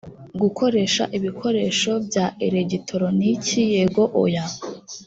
gukoresha ibikoresho bya elegitoroniki yego oya